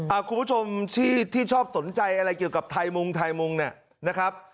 คุณผู้ชมที่ที่ชอบสนใจอะไรเกี่ยวกับไทยมุงไทยมุงเนี่ยนะครับ